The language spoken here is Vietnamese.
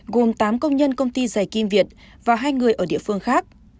gồm tám công nhân công ty dày kim việt và hai người ở địa phương khác